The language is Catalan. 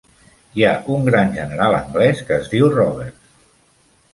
Hi ha un gran general anglès que es diu Roberts.